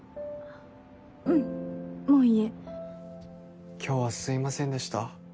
うんもう家今日はすいませんでした